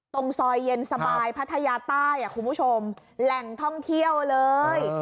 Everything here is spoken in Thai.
ตรงซอยเย็นสบายพัทยาใต้คุณผู้ชมแหล่งท่องเที่ยวเลย